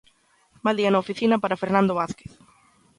Mal día na oficina para Fernando Vázquez.